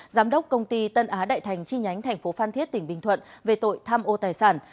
giám đốc công ty tân á đại thành chi nhánh thành phố phan thiết tỉnh bình thuận về tội tham ô tài sản